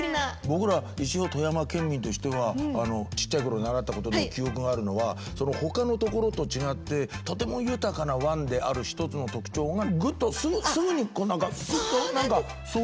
僕ら一応富山県民としてはちっちゃいころに習ったことで記憶があるのはほかの所と違ってとても豊かな湾である一つの特徴がぐっとすぐにこう何かすっと何かそういうのを教わりましたけど。